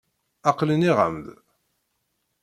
Aqli nniɣ-am-d.